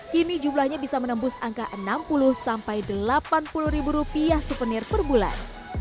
kini jumlahnya bisa menembus angka enam puluh sampai delapan puluh ribu rupiah suvenir per bulan